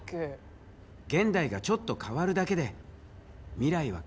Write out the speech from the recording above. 現代がちょっと変わるだけで未来は変わるからね。